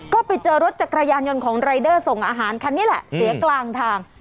ก็ไปเจอรถจักรยานยนต์ของรายเดอร์ส่งอาหารคันนี้แหละเสียกลางทาง